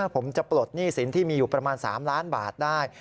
ผมจะปลดหนี้สินที่มีอยู่ประมาณ๓ล้านบาทได้